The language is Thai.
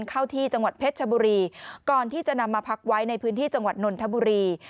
เข้าที่จังหวัดเพชรชบุรีก่อนที่จะนำมาพักไว้ในพื้นที่จังหวัดนนทบุรี